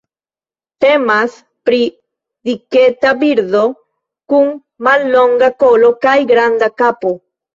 Temas pri diketa birdo, kun mallonga kolo kaj granda kapo.